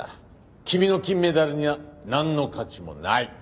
君の金メダルにはなんの価値もない。